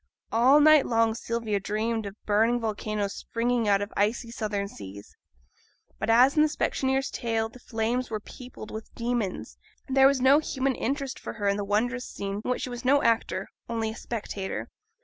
All night long Sylvia dreamed of burning volcanoes springing out of icy southern seas. But, as in the specksioneer's tale the flames were peopled with demons, there was no human interest for her in the wondrous scene in which she was no actor, only a spectator.